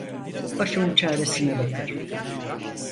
Başımın çaresine bakarım.